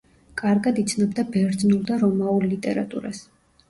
კარგად იცნობდა ბერძნულ და რომაულ ლიტერატურას.